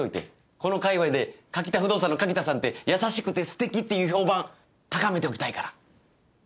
この界隈で柿田不動産の柿田さんって優しくてステキっていう評判高めておきたいから。